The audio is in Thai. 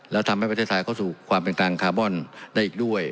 แล้วทำให้ประเทศไทยเข้าสู่ความเป็นกลางคาร์บอนได้อีกด้วย